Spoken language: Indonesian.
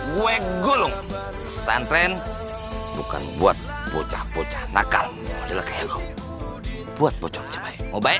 gue golong pesan tren bukan buat bocah bocah nakal model keelung buat bocok cabai mau baik